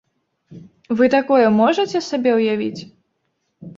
Вы такое можаце сабе ўявіць?